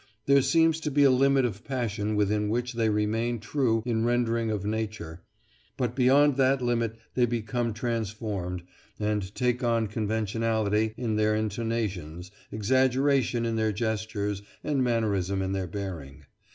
There seems to be a limit of passion within which they remain true in their rendering of nature; but beyond that limit they become transformed, and take on conventionality in their intonations, exaggeration in their gestures, and mannerism in their bearing.